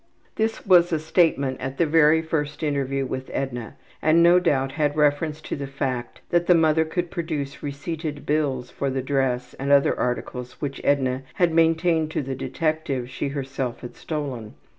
'' (This was a statement at the very first interview with Edna and no doubt had reference to the fact that the mother could produce receipted bills for the dress and other articles which Edna had maintained to the detective she herself had stolen.